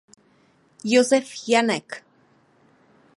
Josef Janek.